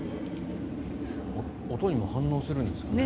音にも反応するんですよね。